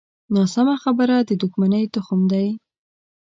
ناسمه خبره د دوښمنۍ تخم دی